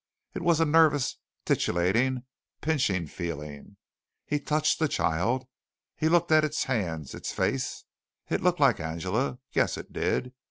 It was a nervous, titillating, pinching feeling. He touched the child. He looked at its hands, its face. It looked like Angela. Yes, it did.